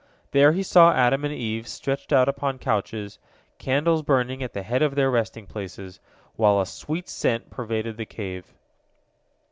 There he saw Adam and Eve stretched out upon couches, candles burning at the head of their resting places, while a sweet scent pervaded the cave.